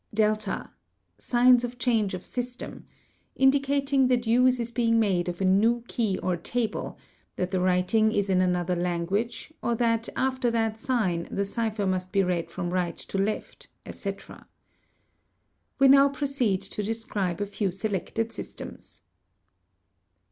; (8) Signs of change of system, indicating that use is being made | f a new key or table, that the writing is in another language, or that 598 CIPHERS . after that sign the cipher must be read from right to left, etc. We now — proceed to describe a few selected systems.